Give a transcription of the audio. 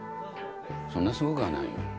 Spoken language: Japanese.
そんなすごくはないよ。